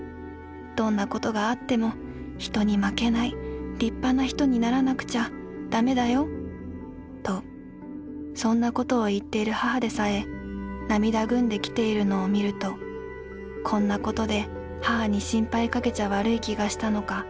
どんなことがあっても人に負けない立派な人にならなくちゃだめだよ』とそんな事をいっている母でさえ涙ぐんで来ているのを見るとこんなことで母に心配かけちゃ悪い気がしたのか